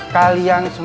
tapi jangan sujet